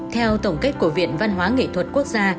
theo tổng kết của viện văn hóa nghệ thuật quốc gia